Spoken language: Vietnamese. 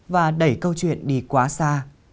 và đẩy câu chuyện đi quá xa